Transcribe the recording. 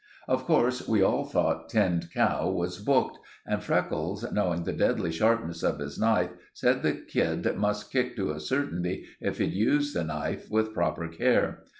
Of course we all thought Tinned Cow was booked, and Freckles, knowing the deadly sharpness of his knife, said the kid must kick to a certainty if he'd used the knife with proper care.